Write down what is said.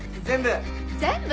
全部。